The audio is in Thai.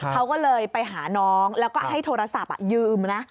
เขาก็เลยไปหาน้องแล้วก็ให้โทรศัพท์ยืมนะ